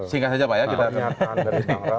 singkat saja pak ya